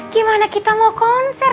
gimana kita mau konser